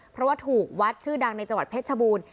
เพราะว่าถูกวัดชื่อดังในจังหวัดเพชรชบูรณ์